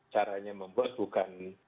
caranya membuat bukan